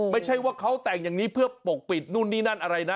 ไม่ใช่ว่าเขาแต่งอย่างนี้เพื่อปกปิดนู่นนี่นั่นอะไรนะ